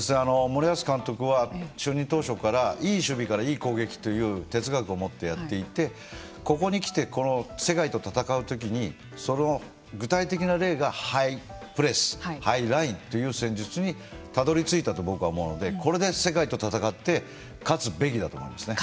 森保監督は就任当初からいい守備からいい攻撃という哲学を持ってやっていてここに来て世界と戦うときにその具体的な例がハイプレス、ハイラインという戦術にたどりついたと僕は思うのでこれで世界と戦って勝つべきだと思いますね。